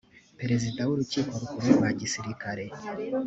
perezida w’urukiko rukuru rwa gisirikare